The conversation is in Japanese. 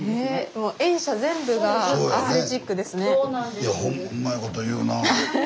もういやうまいこと言うなあ。